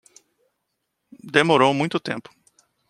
Demorou muito tempo